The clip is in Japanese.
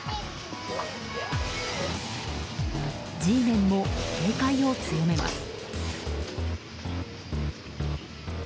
Ｇメンも警戒を強めます。